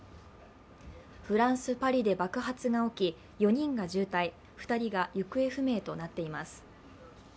フランス・パリで爆発が起き４人が重体、２人が行方不明となっています。